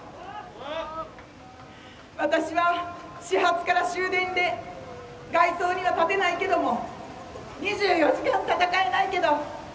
私は始発から終電で街頭には立てないけども２４時間戦えないけど代弁者になれる。